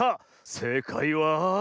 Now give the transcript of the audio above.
せいかいは？